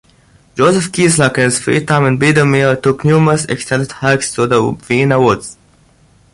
Josef Kyselak in his free time in Biedermeier took numerous extended hikes through the Vienna Woods.